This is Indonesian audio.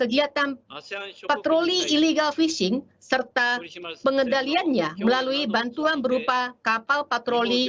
kegiatan patroli illegal fishing serta pengendaliannya melalui bantuan berupa kapal patroli